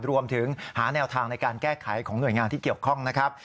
รวมถึงหาแนวทางในการแก้ไขของหน่วยงานที่เกี่ยวข้องนะครับ